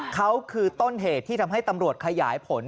เขาคือต้นเหตุที่ทำให้ตำรวจขยายผล